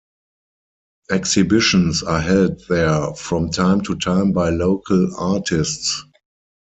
Exhibitions are held there from time to time by local artists.